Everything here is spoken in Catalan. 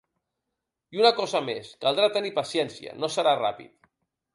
I una cosa més: caldrà tenir paciència, no serà ràpid.